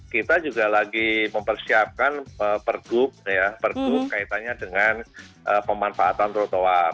kita juga lagi mempersiapkan pergub ya pergub kaitannya dengan pemanfaatan trotoar